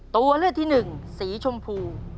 ตัวเลือกที่หนึ่งสีชมพู